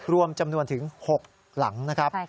รวมจำนวนถึง๖หลังนะครับ